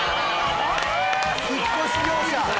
引っ越し業者！